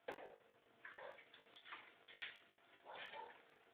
Služby tvoří podstatnou část pracovních míst.